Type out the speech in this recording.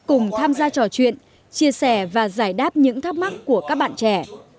cùng tham gia trò chuyện chia sẻ và giải đáp những thắc mắc của các bạn trẻ